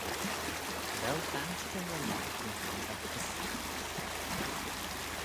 Vel bashtey ny lomarcan fondagh gys saualtys?